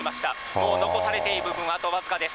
もう残されている部分はあと僅かです。